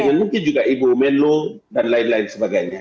dengan mungkin juga ibu menlo dan lain lain sebagainya